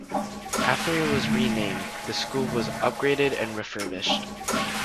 After it was renamed, the school was upgraded and refurbished.